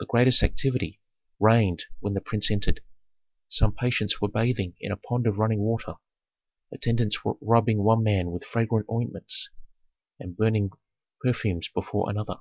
The greatest activity reigned when the prince entered. Some patients were bathing in a pond of running water; attendants were rubbing one man with fragrant ointments, and burning perfumes before another.